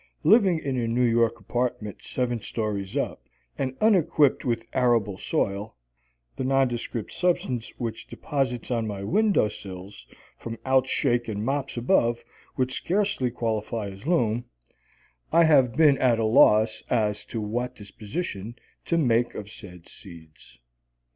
Living in a New York apartment seven stories up and unequipped with arable soil (the nondescript substance which deposits on my window sills from outshaken mops above would scarcely qualify as loam), I have been at a loss as to what disposition to make of said seeds.